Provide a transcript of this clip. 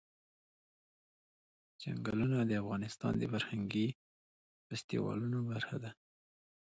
چنګلونه د افغانستان د فرهنګي فستیوالونو برخه ده.